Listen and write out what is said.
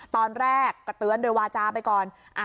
ตอนแรกก็เตือนโดยวาจาไปก่อน